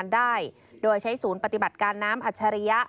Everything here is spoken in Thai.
ได้โดยใช้ศูนย์ปฏิบัติการน้ำอัจฉริยะ